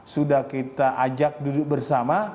sudah kita ajak duduk bersama